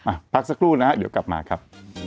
พักสักครู่นะฮะเดี๋ยวกลับมาครับ